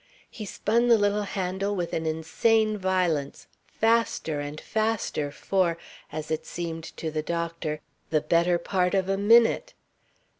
He spun the little handle with an insane violence, faster and faster for as it seemed to the doctor the better part of a minute.